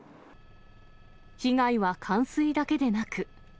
被害は冠水だけでなく。